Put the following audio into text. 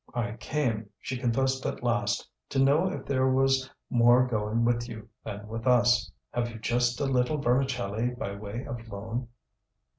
"I came," she confessed at last, "to know if there was more going with you than with us. Have you just a little vermicelli by way of loan?"